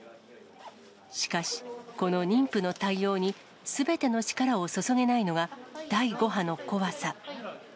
しかし、この妊婦の対応にすべての力を注げないのが第５波の怖さ。